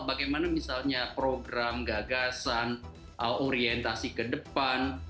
bagaimana misalnya program gagasan orientasi ke depan